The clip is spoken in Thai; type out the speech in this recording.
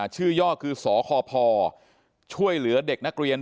ย่อคือสคพช่วยเหลือเด็กนักเรียน